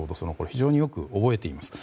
非常によく覚えています。